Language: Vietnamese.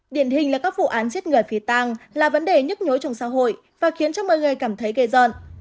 điển hình là các vụ án giết người phí tang là vấn đề nhất nhối trong xã hội và khiến cho mọi người cảm thấy ghê giòn